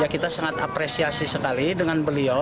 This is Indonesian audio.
kita sangat apresiasi sekali dengan beliau